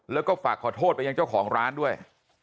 แล้วก็ฝากขอโทษไปยังเจ้าของร้านด้วย